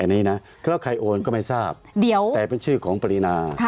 อันนี้นะแล้วใครโอนก็ไม่ทราบแต่เป็นชื่อของปรินา